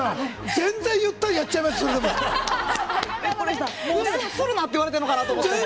全然ゆったりやっちゃいますから。